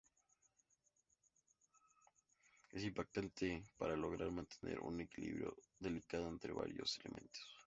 Es impactante por lograr mantener un equilibrio delicado entre varios elementos.